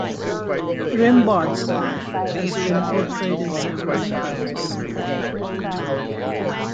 Rimbaud's life has been portrayed in several films.